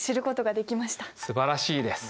すばらしいです。